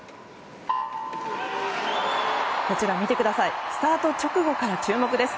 こちら見てくださいスタート直後から注目です。